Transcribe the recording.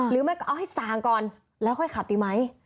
หรือไม่ก็เอาให้ส่างก่อนแล้วค่อยขับดีไหม